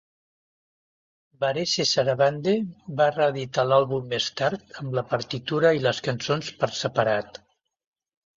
Varese Sarabande va reeditar l'àlbum més tard amb la partitura i les cançons per separat.